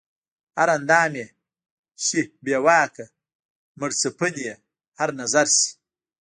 هر اندام ئې شي بې ژواکه مړڅپن ئې هر نظر شي